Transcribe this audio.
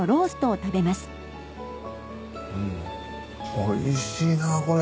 おいしいなこれ。